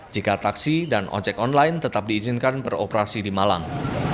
jika taksi dan ojek online tetap diizinkan beroperasi di malang